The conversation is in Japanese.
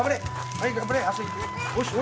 はい頑張れ旭煌。